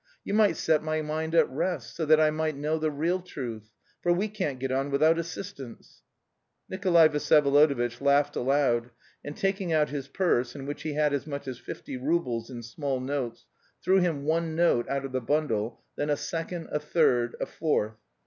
You might set my mind at rest, so that I might know the real truth; for we can't get on without assistance." Nikolay Vsyevolodovitch laughed aloud, and taking out his purse, in which he had as much as fifty roubles, in small notes, threw him one note out of the bundle, then a second, a third, a fourth.